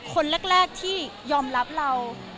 คนแรกที่ยอมรับเรา